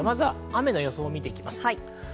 雨の予想を見ていきます。